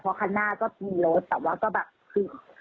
เพราะคันหน้าก็มีรถแต่ว่าก็แบบคือ